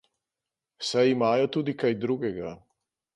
Saj imajo tudi kaj drugega.